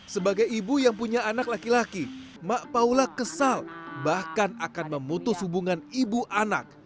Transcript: sebagai ibu yang punya anak laki laki mak paula kesal bahkan akan memutus hubungan ibu anak